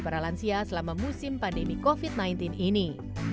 pandemi covid sembilan belas ini